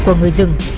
của người dân